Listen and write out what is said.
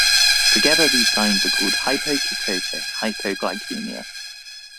Together these signs are called hypoketotic hypoglycemia.